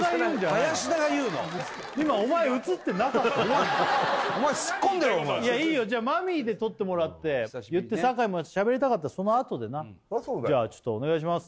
林田が言うの今お前すっこんでろお前じゃあマミィで撮ってもらって酒井もしゃべりたかったらそのあとでなじゃあちょっとお願いします